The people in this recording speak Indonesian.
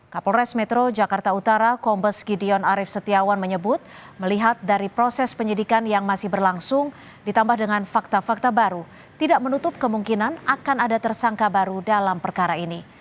kapolres metro jakarta utara kombes gideon arief setiawan menyebut melihat dari proses penyidikan yang masih berlangsung ditambah dengan fakta fakta baru tidak menutup kemungkinan akan ada tersangka baru dalam perkara ini